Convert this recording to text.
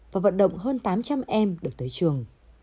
và vận động hơn tám trăm linh em được tới trường